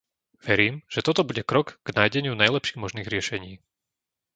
Verím, že toto bude krok k nájdeniu najlepších možných riešení.